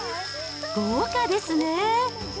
豪華ですねぇ。